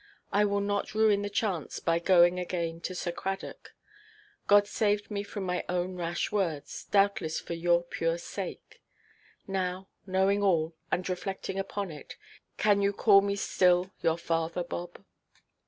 I will not ruin the chance by going again to Sir Cradock. God saved me from my own rash words, doubtless for your pure sake. Now, knowing all, and reflecting upon it, can you call me still your father, Bob?"